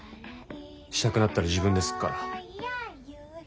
したくなったら自分ですっから。